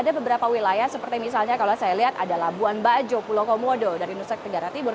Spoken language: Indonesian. ada beberapa wilayah seperti misalnya kalau saya lihat ada labuan bajo pulau komodo dari nusa tenggara timur